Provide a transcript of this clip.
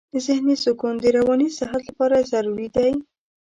ذهني سکون د رواني صحت لپاره ضروري دی.